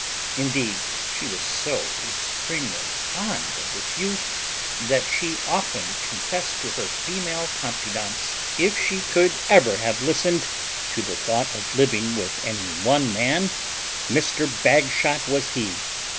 Indeed, she was so extremely fond of this youth, that she often confessed to her female confidents, if she could ever have listened to the thought of living with any one man, Mr. Bagshot was he.